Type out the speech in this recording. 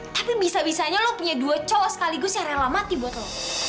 tapi bisa bisanya lo punya dua cowok sekaligus yang rela mati buat lo